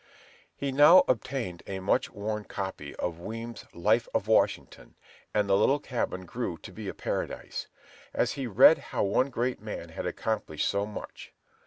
He now obtained a much worn copy of Weem's "Life of Washington," and the little cabin grew to be a paradise, as he read how one great man had accomplished so much.